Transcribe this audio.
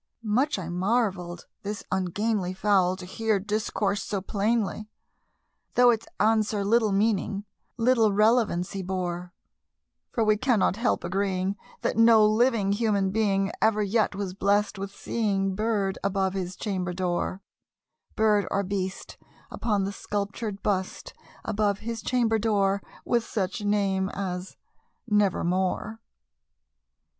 Much I marvelled this ungainly fowl to hear discourse so plainly, Though its answer little meaning little relevancy bore; For we cannot help agreeing that no living human being Ever yet was blessed with seeing bird above his chamber door Bird or beast upon the sculptured bust above his chamber door, With such name as "Nevermore."